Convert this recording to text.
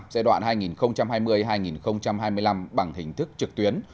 giai đoạn hai nghìn hai mươi hai nghìn hai mươi năm bằng hình thức trực tuyến